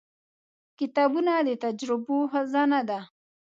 • کتابونه د تجربو خزانه ده.